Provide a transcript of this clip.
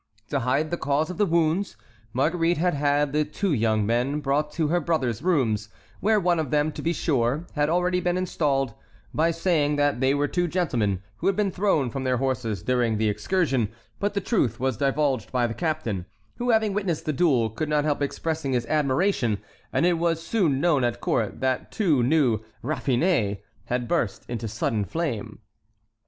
To hide the cause of the wounds, Marguerite had had the two young men brought to her brother's rooms, where one of them, to be sure, had already been installed, by saying that they were two gentlemen who had been thrown from their horses during the excursion, but the truth was divulged by the captain, who, having witnessed the duel, could not help expressing his admiration, and it was soon known at court that two new raffinés had burst into sudden fame.